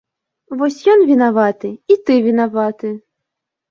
Вось ён вінаваты і ты вінаваты!